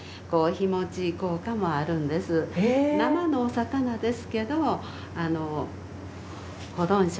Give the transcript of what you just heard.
生のお魚ですけど保存食。